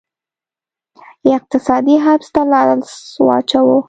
اقتصادي حبس ته لاس واچاوه